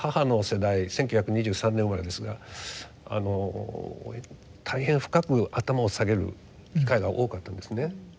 １９２３年生まれですが大変深く頭を下げる機会が多くあったんですね。